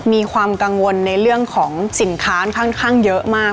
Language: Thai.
มีความกังวลในเรื่องของสินค้าค่อนข้างเยอะมาก